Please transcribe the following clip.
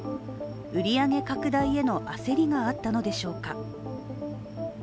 売り上げ拡大への焦りがあったのでしょうか。